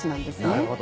なるほど。